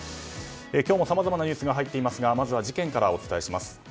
今日もさまざまなニュースが入っていますがまずは事件からお伝えします。